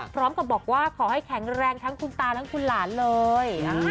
พร้อมกับบอกว่าขอให้แข็งแรงทั้งคุณตาทั้งคุณหลานเลย